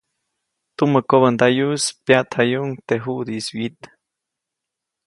Tumä kobändayuʼis pyaʼtjayuʼuŋ teʼ juʼdiʼis wyit.